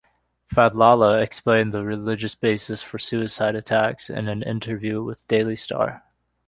Fadlallah explained the religious basis for suicide attacks in an interview with "Daily Star".